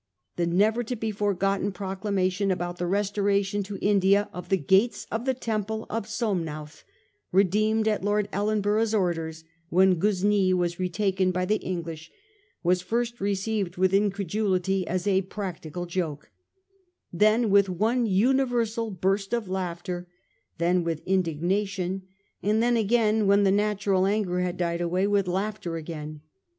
The never to be forgotten proclamation about the restoration to India of the gates of the temple of Somnauth, redeemed at Lord Ellenborough's orders when Ghuznee was retaken by the English, was first received with incredulity as a practical joke; then with one universal burst of laughter; then with indignation; and then, again, when the natural anger had died away, with laughter again.